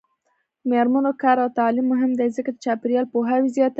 د میرمنو کار او تعلیم مهم دی ځکه چې چاپیریال پوهاوی زیاتوي.